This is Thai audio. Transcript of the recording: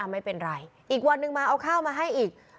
ไม่เป็นไรอีกวันนึงมาเอาข้าวมาให้อีก